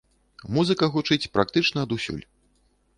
Музыка гучыць практычна адусюль.